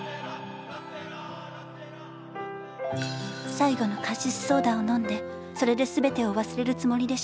最後のカシスソーダを飲んでそれで全てを忘れるつもりでした。